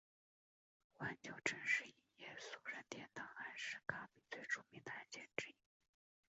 环球城市影业诉任天堂案是卡比最著名的案件之一。